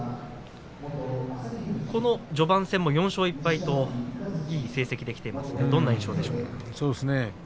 その序盤戦も４勝１敗といい成績できていますがどんな状況でしょうか。